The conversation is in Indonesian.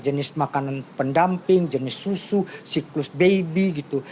jenis makanan pendamping jenis susu siklus baby gitu